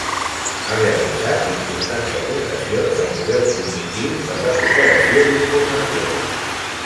Ha realitzat importants aportacions al model cognitiu de recuperació d'informació.